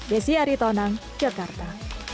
desi aritonang jakarta